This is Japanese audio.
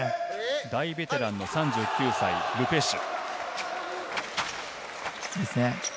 大ベテラン、３９歳、ル・ペシュ。